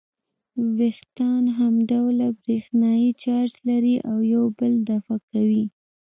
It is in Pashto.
وېښتان همډوله برېښنايي چارج لري او یو بل دفع کوي.